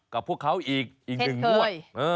กับพวกเขาอีกหนึ่งงวดเท่ทเคย